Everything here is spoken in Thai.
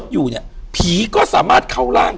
อยู่ที่แม่ศรีวิรัยิลครับ